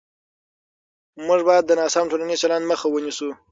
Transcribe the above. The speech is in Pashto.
موږ باید د ناسم ټولنیز چلند مخه ونیسو.